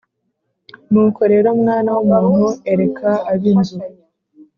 Nuko rero mwana w umuntu ereka ab inzu